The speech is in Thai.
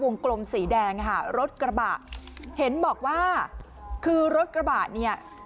กลมสีแดงค่ะรถกระบะเห็นบอกว่าคือรถกระบะเนี่ย